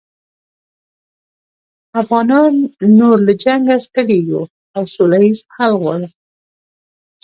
افغانان نور له جنګه ستړي یوو او سوله ییز حل غواړو